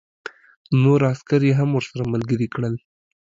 نور عسکر یې هم ورسره ملګري کړل